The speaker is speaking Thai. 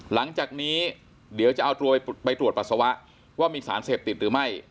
หลังจากนี้เดี๋ยวจะเอาตัวไปตรวจปัสสาวะว่ามีสารเสพติดหรือไม่